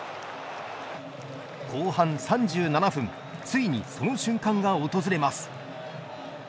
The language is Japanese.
後半３７分ついにその瞬間が訪れます。